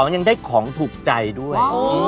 ยังได้ของถูกใจด้วย